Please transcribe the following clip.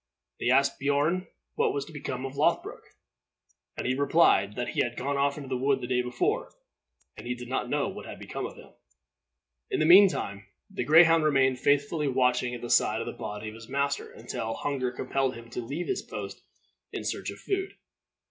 They asked Beorn what was become of Lothbroc, and he replied that he had gone off into the wood the day before, and he did not know what had become of him. In the mean time, the greyhound remained faithfully watching at the side of the body of his master until hunger compelled him to leave his post in search of food.